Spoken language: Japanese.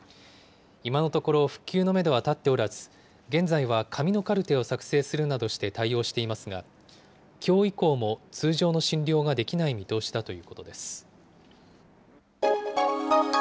今のところ復旧のメドは立っておらず、現在は紙のカルテを作成するなどして対応していますが、きょう以降も通常の診療ができない見通しだということです。